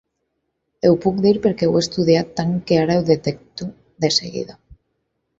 Ho puc dir perquè ho he estudiat tant que ara ho detecto de seguida.